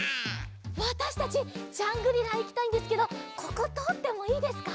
わたしたちジャングリラいきたいんですけどこことおってもいいですか？